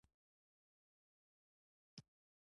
د کتاب او مطالعې د ګټو په اړه خبرې وکړې.